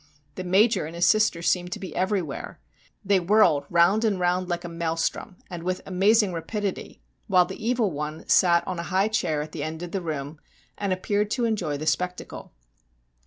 The Major and his sister seemed to be everywhere. They whirled round and round like a maelstrom, and with amazing rapidity, while the Evil One sat on a high chair at the end of the room and appeared to enjoy the spectacle.